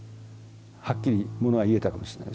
はっきり物が言えたかもしれない。